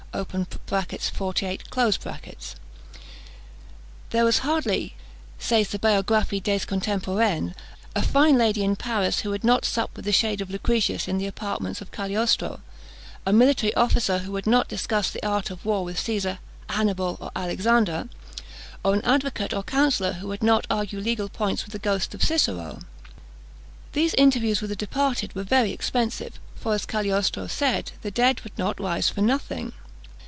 "There was hardly," says the Biographie des Contemporains, "a fine lady in Paris who would not sup with the shade of Lucretius in the apartments of Cagliostro; a military officer who would not discuss the art of war with Cæsar, Hannibal, or Alexander; or an advocate or counsellor who would not argue legal points with the ghost of Cicero." These interviews with the departed were very expensive; for, as Cagliostro said, the dead would not rise for nothing.